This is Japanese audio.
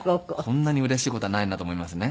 こんなにうれしい事はないなと思いますね。